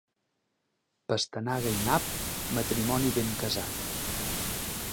Pastanaga i nap, matrimoni ben casat.